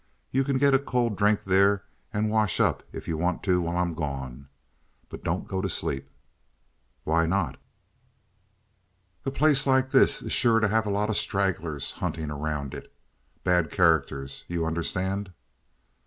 You can get a cold drink there and wash up if you want to while I'm gone. But don't go to sleep!" "Why not?" "A place like this is sure to have a lot of stragglers hunting around it. Bad characters. You understand?"